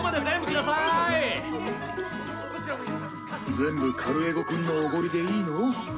全部カルエゴくんのおごりでいいの？